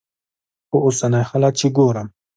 خو اوسني حالات چې ګورم.